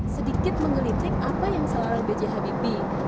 sedikit mengelitik apa yang salah belajar habibie